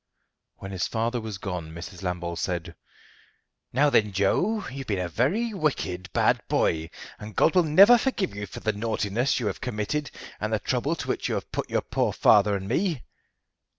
When his father was gone Mrs. Lambole said, "Now then, Joe, you've been a very wicked, bad boy, and God will never forgive you for the naughtiness you have committed and the trouble to which you have put your poor father and me."